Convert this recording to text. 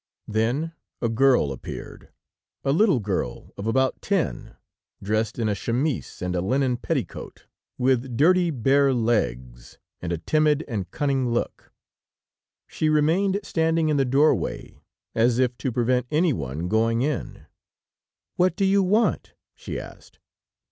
Then a girl appeared, a little girl of about ten, dressed in a chemise and a linen petticoat, with dirty, bare legs, and a timid and cunning look. She remained standing in the doorway, as if to prevent any one going in. "What do you want?" she asked.